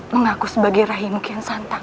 mengaku sebagai rahimukian santang